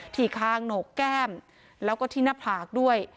ที่คางโหนกแก้มแล้วก็ที่หน้าผากด้วย